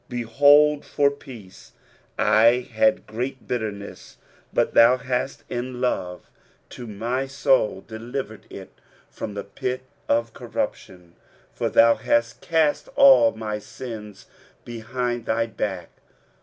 23:038:017 Behold, for peace I had great bitterness: but thou hast in love to my soul delivered it from the pit of corruption: for thou hast cast all my sins behind thy back.